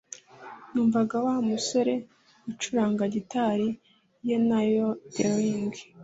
Numvaga Wa musore acuranga gitari ye na yodeling